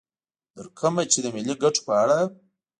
تر کومه چې د ملي ګټو په اړه